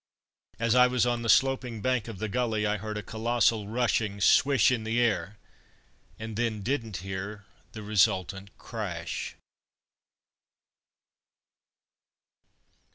As I was on the sloping bank of the gully I heard a colossal rushing swish in the air, and then didn't hear the resultant crash....